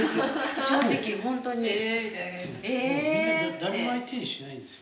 誰も相手にしないんですよ。